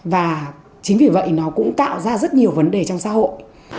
và chính vì vậy nó cũng tạo ra rất nhiều vấn đề trong xã hội